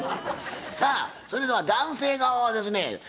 さあそれでは男性側はですね